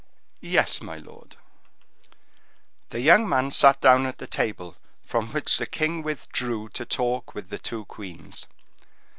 "Yes, my lord." The young man sat down at the table from which the king withdrew to talk with the two queens.